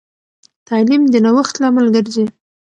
تعلیم د نوښت لامل ګرځي.